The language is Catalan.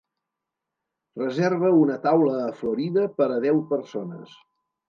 reserva una taula a Florida per a deu persones